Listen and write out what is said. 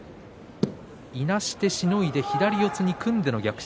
いなして、しのいで左四つに組んでの逆襲。